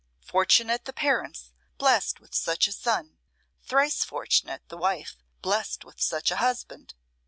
Fortunate the parents blessed with such a son! thrice fortunate the wife blessed with such a husband!